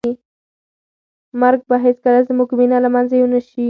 مرګ به هیڅکله زموږ مینه له منځه یو نه شي وړی.